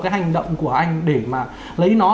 cái hành động của anh để mà lấy nó